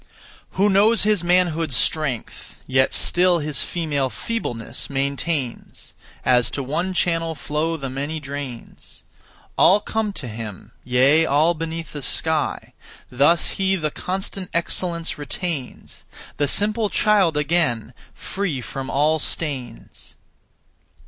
1. Who knows his manhood's strength, Yet still his female feebleness maintains; As to one channel flow the many drains, All come to him, yea, all beneath the sky. Thus he the constant excellence retains; The simple child again, free from all stains.